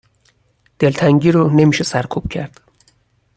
دلتنگی رو نمی شه سرکوب کرد